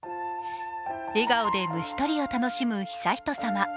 笑顔で虫取りを楽しむ悠仁さま。